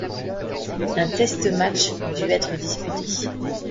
Un test-match dut être disputé.